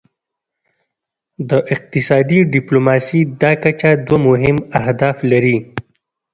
د اقتصادي ډیپلوماسي دا کچه دوه مهم اهداف لري